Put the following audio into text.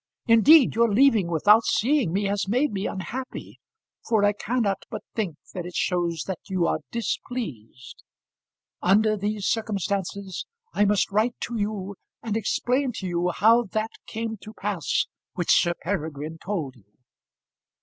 Indeed, your leaving without seeing me has made me unhappy, for I cannot but think that it shows that you are displeased. Under these circumstances I must write to you and explain to you how that came to pass which Sir Peregrine told you.